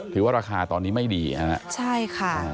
ถือว่าราคาตอนนี้ไม่ดีนะ